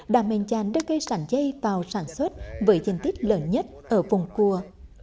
đã mềm chán đưa cây sản dây vào sản xuất với dân tích lớn nhất ở vùng cua